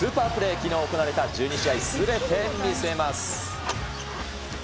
きのう行われた１２試合すべて見せます。